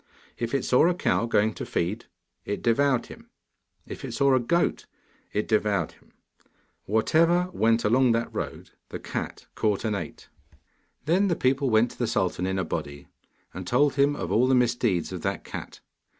If it saw a cow going to feed, it devoured him. If it saw a goat, it devoured him. Whatever went along that road the cat caught and ate. Then the people went to the sultan in a body, and told him of all the misdeeds of that cat.